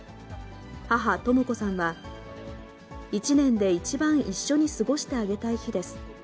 母、とも子さんは、１年で一番一緒に過ごしてあげたい日です。